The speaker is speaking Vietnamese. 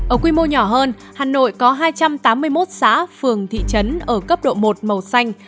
ở quy mô nhỏ hơn hà nội có hai trăm tám mươi một xã phường thị trấn ở cấp độ một màu xanh